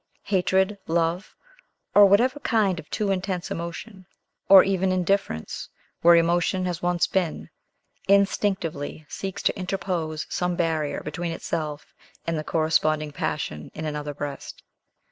Hatred, love, or whatever kind of too intense emotion, or even indifference, where emotion has once been, instinctively seeks to interpose some barrier between itself and the corresponding passion in another breast.